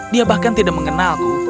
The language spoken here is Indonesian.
dia bahkan tidak mengenalku